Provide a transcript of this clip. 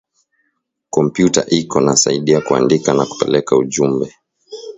Kompiuta iko nasaidia kuandika na kupeleka ujumbe